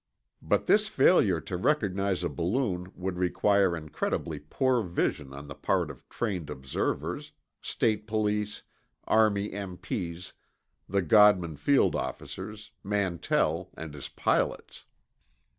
But this failure to recognize a balloon would require incredibly poor vision on the part of trained observers—state police, Army M.P.'s, the Godman Field officers, Mantell and his pilots.